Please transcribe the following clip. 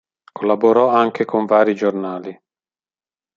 Collaborò anche con vari giornali.